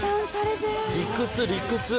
理屈理屈。